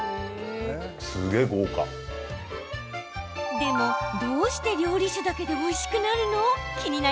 でも、どうして料理酒だけでおいしくなるの？